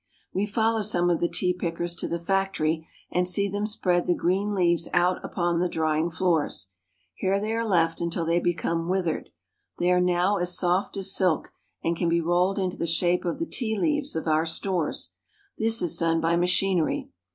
We follow some of the tea pickers to the factory and see them spread the green leaves out upon the drying floors. Here they are left until they become withered. They are now as soft as silk, and can be rolled into the shape of the tea leaves of our stores. This is done by machinery.